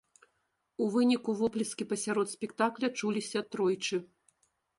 У выніку воплескі пасярод спектакля чуліся тройчы.